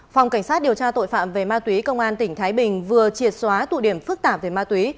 phòng cảnh sát điều tra tội phạm về ma túy công an tỉnh thái bình vừa triệt xóa tụ điểm phức tạp về ma túy